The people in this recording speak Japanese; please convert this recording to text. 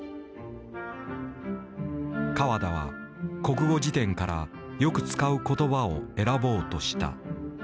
河田は国語辞典からよく使う言葉を選ぼうとした。